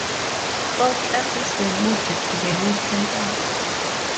All classes were moved to the new campus.